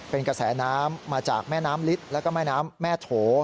เป็นกระแสน้ำมาจากแม่น้ำฤทธิ์แล้วก็แม่น้ำแม่โถ